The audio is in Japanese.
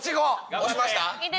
押しました？